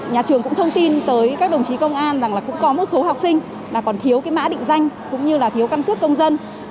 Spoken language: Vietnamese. nhà trường cũng thông tin tới các đồng chí công an rằng có một số học sinh còn thiếu mã định danh cũng như thiếu căn cước công dân